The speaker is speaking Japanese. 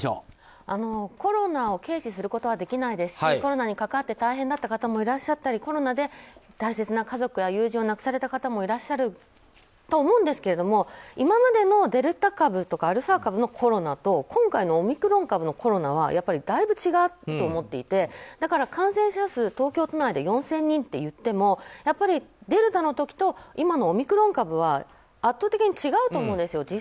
コロナを軽視することはできないですしコロナにかかって大変だった家族もいらっしゃったし、コロナで友人を亡くされた方もいらっしゃると思うんですけど今までのデルタ株とかアルファ株のコロナと今回のオミクロン株のコロナはやっぱりだいぶ違うと思っていてだから、感染者数が東京都内で４０００人っていってもやっぱりデルタの時とオミクロン株は圧倒的に違うと思うんですよ。